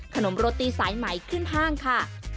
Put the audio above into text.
ขนมโรตีสายไหมขึ้นห้างค่ะ